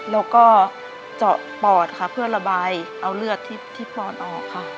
แล้วก็เจาะปอดค่ะเพื่อระบายเอาเลือดที่ปอดออกค่ะ